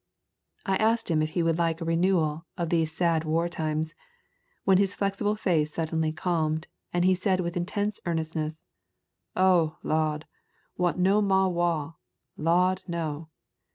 I asked him if he would like a renewal of these sad war times, when his flexible face suddenly calmed, and he said with intense earnestness, "Oh, Lo'd, want no mo wa, Lo'd no."